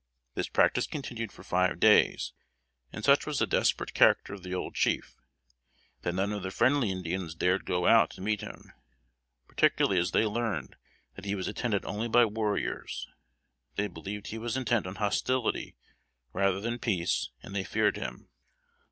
This practice continued for five days. And such was the desperate character of the old chief, that none of the friendly Indians dared go out to meet him, particularly as they learned that he was attended only by warriors; they believed he was intent on hostility rather than peace, and they feared him.